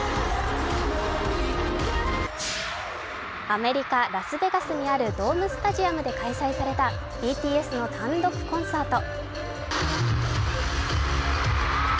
アメリカ・ラスベガスにあるドームスタジアムで開催されたＢＴＳの単独コンサート。